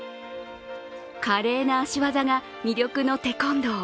華麗な足技が魅力のテコンドー。